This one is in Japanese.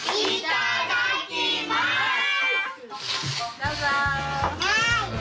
どうぞ。